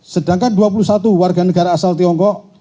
sedangkan dua puluh satu warga negara asal tiongkok